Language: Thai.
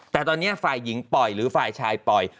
แต่ตอนนี้ฝ่ายหญิงปล่อยหรือฝ่ายชายปล่อย